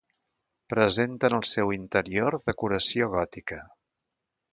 Presenta en el seu interior decoració gòtica.